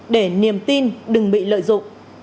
để niềm tin đừng bị lợi dụng